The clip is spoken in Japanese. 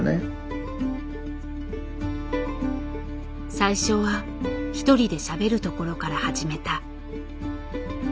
最初は一人でしゃべるところから始めた。